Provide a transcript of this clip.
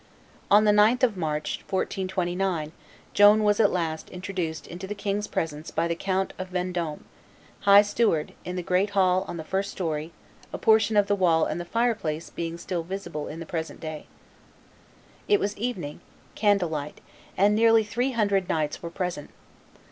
On the 9th of March, 1429, Joan was at last introduced into the king's presence by the Count of Vendome, high steward, in the great hall on the first story, a portion of the wall and the fireplace being still visible in the present day. It was evening, candle light; and nearly three hundred knights were present.